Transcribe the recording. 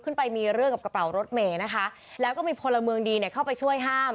ไปมีเรื่องกับกระเป๋ารถเมย์นะคะแล้วก็มีพลเมืองดีเนี่ยเข้าไปช่วยห้าม